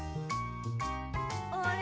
あれ？